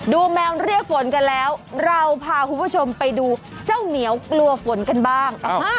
แมวเรียกฝนกันแล้วเราพาคุณผู้ชมไปดูเจ้าเหนียวกลัวฝนกันบ้าง